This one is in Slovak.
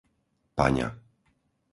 Paňa